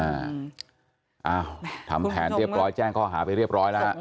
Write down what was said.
อ้าวทำแผนเรียบร้อยแจ้งข้อหาไปเรียบร้อยแล้วฮะ